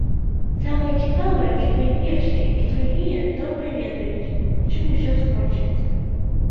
Самае цікавае, што і першыя, і другія добра ведаюць, чым усё скончыцца.